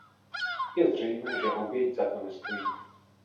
Je zřejmé, že oběť za to nestojí.